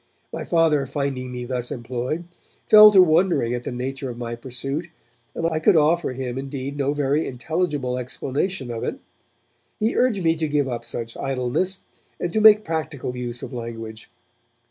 My Father finding me thus employed, fell to wondering at the nature of my pursuit, and I could offer him, indeed, no very intelligible explanation of it. He urged me to give up such idleness, and to make practical use of language.